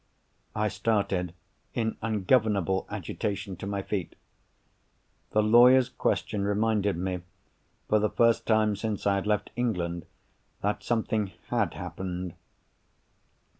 I started, in ungovernable agitation, to my feet. The lawyer's question reminded me, for the first time since I had left England, that something had happened.